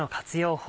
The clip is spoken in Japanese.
法